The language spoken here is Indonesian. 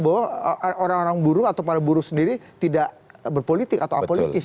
bahwa orang orang buruh atau para buruh sendiri tidak berpolitik atau apolitis